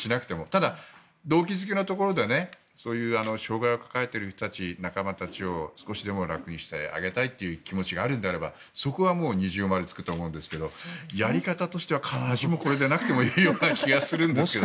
ただ、動機付けのところでそういう障害を抱えている人たち仲間たちを少しでも楽にしてあげたいという気持ちがあるならそこはもう二重丸がつくと思うんですがやり方としては必ずしもこれじゃなくていいような気がするんですけどね。